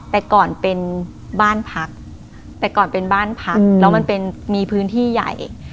แต่ก่อนเป็นบ้านพักแต่ก่อนเป็นบ้านพักแล้วมันเป็นมีพื้นที่ใหญ่